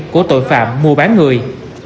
của tội phạm mua bán người